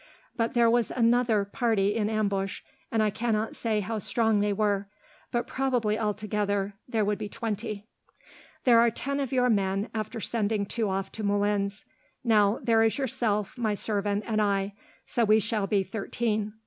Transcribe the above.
But there was another party in ambush, and I cannot say how strong they were; but probably, altogether, there would be twenty. "There are ten of your men, after sending two off to Moulins. Now there is yourself, my servant, and I, so we shall be thirteen.